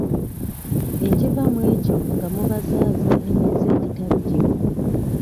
Ekiva mu ekyo nga mubazaaza emize egitali gimu.